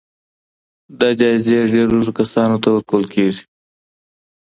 دا جايزې ډېر لږو کسانو ته ورکول کېږي.